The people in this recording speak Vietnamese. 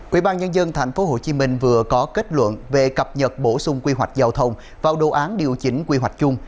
quỹ ban nhân dân tp hcm vừa có kết luận về cập nhật bổ sung quy hoạch giao thông vào đồ án điều chỉnh quy hoạch chung